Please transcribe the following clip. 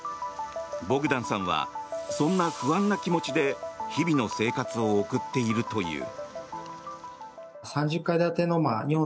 ボグダンさんはそんな不安な気持ちで日々の生活を送っているという。